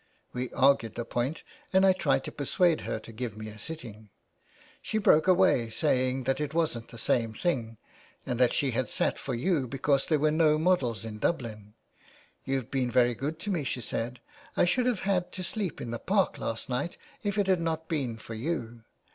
" We argued the point, and I tried to persuade her to give me a sitting. She broke away, saying that it wasn't the same thing, and that she had sat for you because there were no models in Dublin. * You've been very good to me,' she said, ' I should have had to sleep in the Park last night if it had not been for you.